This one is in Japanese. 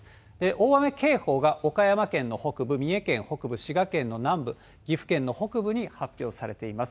大雨警報が岡山県の北部、三重県北部、滋賀県の南部、岐阜県の北部に発表されています。